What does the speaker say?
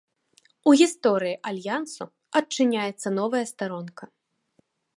У гісторыі альянсу адчыняецца новая старонка.